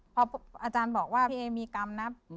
พออาจารย์บอกว่าพี่เอมีกรรมนะ